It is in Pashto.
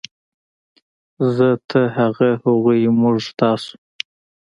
زۀ ، تۀ ، هغه ، هغوی ، موږ ، تاسو